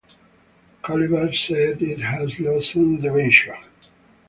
Caliber said it had lost on the venture.